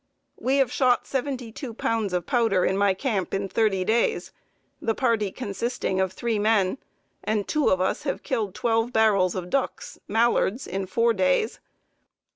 We have shot seventy two pounds of powder in my camp in thirty days, the party consisting of three men; and two of us have killed twelve barrels of ducks (Mallards) in four days.